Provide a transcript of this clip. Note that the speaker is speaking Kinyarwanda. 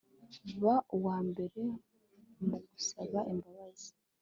ba uwambere mugusaba imbabazi